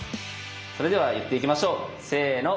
それでは言っていきましょうせの。